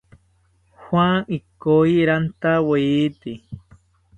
Juan ikoyi rantawete